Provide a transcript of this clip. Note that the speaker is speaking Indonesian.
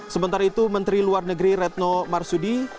sementara itu menteri luar negeri retno marsudi